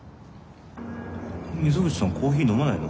溝口さんはコーヒー飲まないの？